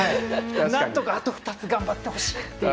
なんとか、あと２つ頑張ってほしいという。